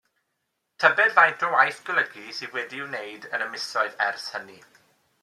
Tybed faint o waith golygu sydd wedi ei wneud yn y misoedd ers hynny?